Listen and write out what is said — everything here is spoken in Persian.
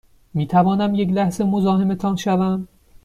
می توانم یک لحظه مزاحمتان شوم؟